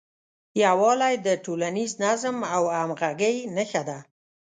یووالی د ټولنیز نظم او همغږۍ نښه ده.